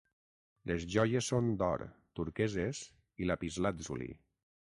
Les joies són d'or, turqueses i lapislàtzuli.